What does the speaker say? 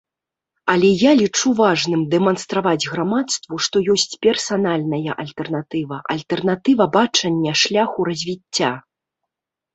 Але я лічу важным дэманстраваць грамадству, што ёсць персанальная альтэрнатыва, альтэрнатыва бачання шляху развіцця.